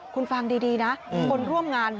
คุณฟังดีนะคนร่วมงาน